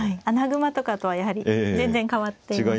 穴熊とかとはやはり全然変わって。